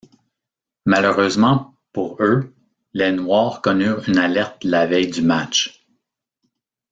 Malheureusement, pour eux, les Noirs connurent une alerte la veille du match.